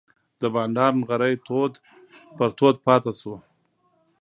د بانډار نغری تود پر تود پاتې شو.